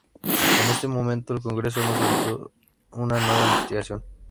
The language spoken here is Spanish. En ese momento, el Congreso no solicitó una nueva investigación.